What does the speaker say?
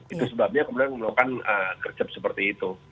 itu sebabnya kemudian melakukan gercep seperti itu